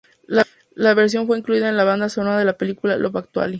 La versión fue incluida en la banda sonora de la película "Love Actually".